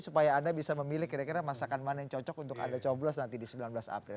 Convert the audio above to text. supaya anda bisa memilih kira kira masakan mana yang cocok untuk anda coblos nanti di sembilan belas april